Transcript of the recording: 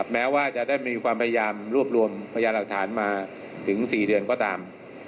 แม้ว่าจะได้มีความพยายามรวบรวมพยานหลักฐานมาถึง๔เดือนก็ตาม